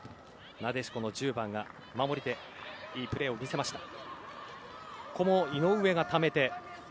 なでしこの１０番が守りでいいプレーを見せました。